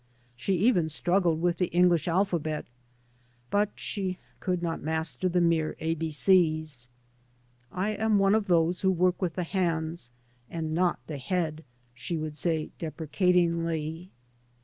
She even struggled with the English alphabet, but she could not master the mere ABC's. " I am one of those who work with the hands, and not the head," she would say deprecatingly.